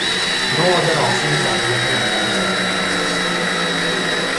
No other option is available under these circumstances.